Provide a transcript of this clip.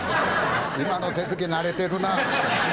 今の手つき慣れてるなぁ。